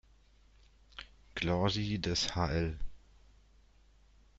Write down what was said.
Glorie des hl.